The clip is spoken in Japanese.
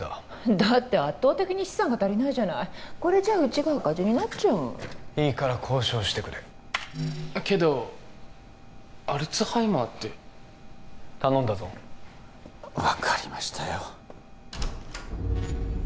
だって圧倒的に資産が足りないじゃないこれじゃうちが赤字になっちゃういいから交渉してくれけどアルツハイマーって頼んだぞ分かりましたよ